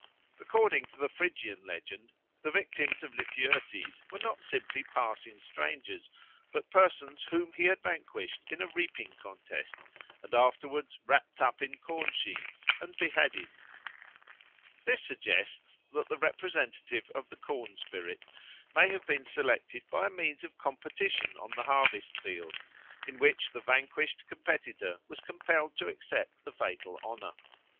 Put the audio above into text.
According to the Phrygian legend the victims of Lityerses were not simply passing strangers, but persons whom he had vanquished in a reaping contest and afterwards wrapt up in corn sheaves and beheaded. This suggests that the representative of the corn spirit may have been selected by means of a competition on the harvest field, in which the vanquished competitor was compelled to accept the fatal honour.